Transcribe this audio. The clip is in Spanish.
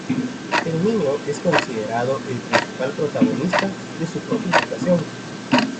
El niño es considerado el principal protagonista de su propia educación.